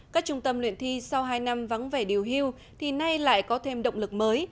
các trung tâm luyện thi sau hai năm vắng vẻ điều hưu thì nay lại có thêm động lực mới